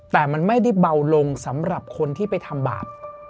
แต่มันไม่ได้เบาลงสำหรับคนที่ไปทำบาป